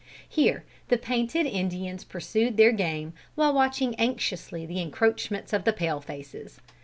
Here the painted Indians pursued their game, while watching anxiously the encroachments of the pale faces.